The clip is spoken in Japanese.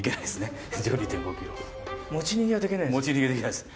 持ち逃げできないです。